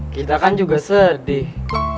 kita kan juga sedih